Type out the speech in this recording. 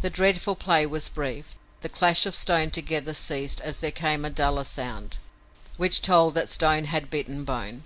The dreadful play was brief. The clash of stone together ceased as there came a duller sound, which told that stone had bitten bone.